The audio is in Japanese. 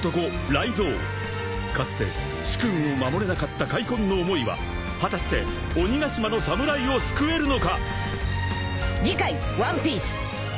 ［かつて主君を守れなかった悔恨の思いは果たして鬼ヶ島の侍を救えるのか！？］